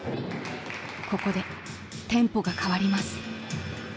ここでテンポが変わります。